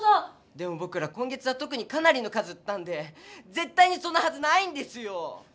でもぼくら今月はとくにかなりの数売ったんでぜったいにそんなはずないんですよ！